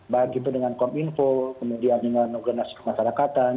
baik itu dengan kominfo kemudian dengan organisasi kemasyarakatan